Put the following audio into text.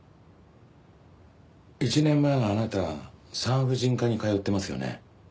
１年前あなた産婦人科に通ってますよね。